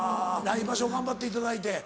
来場所頑張っていただいて。